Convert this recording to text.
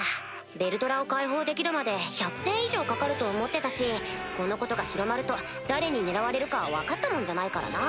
ヴェルドラを解放できるまで１００年以上かかると思ってたしこのことが広まると誰に狙われるか分かったもんじゃないからな。